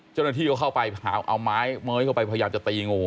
จนกระที่เขาเข้าไปเอาม้ายเข้าไปพยายามจะตีงู